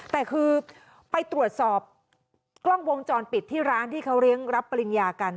แต่คือไปตรวจสอบกล้องวงจรปิดที่ร้านที่เขาเลี้ยงรับปริญญากัน